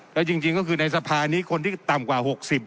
แล้วจริงก็คือในสภานี้คนที่ต่ำกว่า๖๐